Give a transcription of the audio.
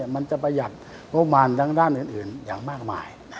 มันจะประหยัดงบประมาณอื่นอย่างมากมาย